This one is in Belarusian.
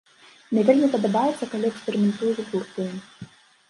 Мне вельмі падабаецца, калі эксперыментуюць гурты.